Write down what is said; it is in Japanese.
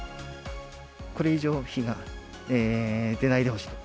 これ以上、日が出ないでほしい。